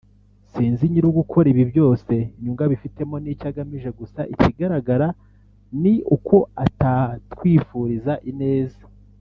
sinzi nyirigukora ibi byose inyungu abifitemo n’icyo agamije gusa ikigaragara ni uko ata twifuriza ineza